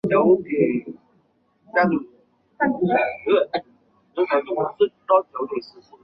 穆拉德二世。